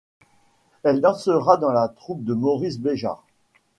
Elle dansera dans la troupe de Maurice Béjart.